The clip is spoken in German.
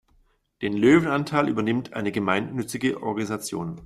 Den Löwenanteil übernimmt eine gemeinnützige Organisation.